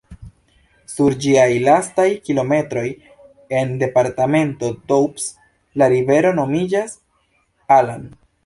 Sur ĝiaj lastaj kilometroj en departemento Doubs la rivero nomiĝas "Allan".